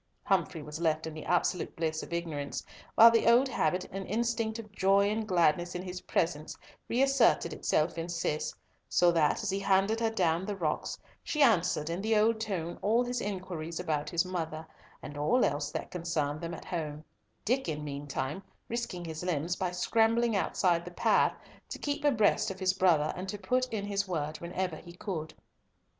Humfrey was left in the absolute bliss of ignorance, while the old habit and instinct of joy and gladness in his presence reasserted itself in Cis, so that, as he handed her down the rocks, she answered in the old tone all his inquiries about his mother, and all else that concerned them at home, Diccon meantime risking his limbs by scrambling outside the path, to keep abreast of his brother, and to put in his word whenever he could.